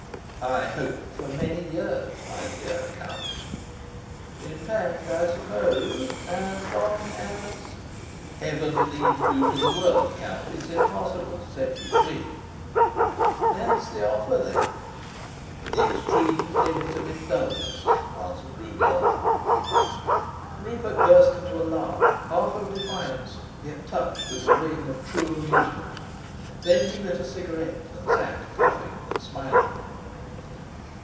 "I hope for many years, my dear Count." "In fact, I suppose, as long as ?" "Heaven leaves you to the world, Count. It's impossible to set you free." "That's the offer, then?" "The extreme limit of indulgence," answered Rudolf. Rupert burst into a laugh, half of defiance, yet touched with the ring of true amusement. Then he lit a cigarette and sat puffing and smiling.